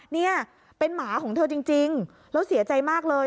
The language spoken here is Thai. นี่เป็นหมาของเธอจริงแล้วเสียใจมากเลย